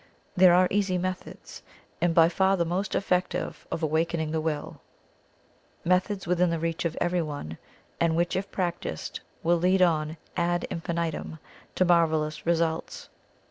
There are easy methods, and by far the most effective, of awakening the Will; methods within the reach of every one, and which if practised, will lead on ad infinitum, to marvellous results.